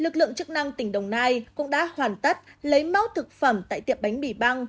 lực lượng chức năng tỉnh đồng nai cũng đã hoàn tất lấy máu thực phẩm tại tiệm bánh mì băng